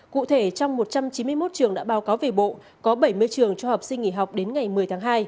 cụ thể trong một trăm chín mươi một trường đã báo cáo về bộ có bảy mươi trường cho học sinh nghỉ học đến ngày một mươi tháng hai